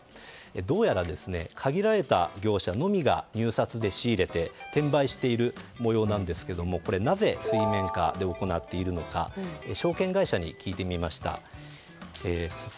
どうやら、限られた業者のみが入札で仕入れて転売しているもようなんですがなぜ水面下で行っているのか証券会社に聞いてみました。